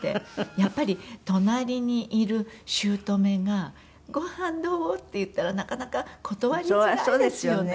やっぱり隣にいるしゅうとめが「ごはんどう？」って言ったらなかなか断りづらいですよね。